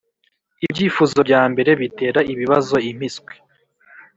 ibyifuzo byambere bitera ibibazo impiswi.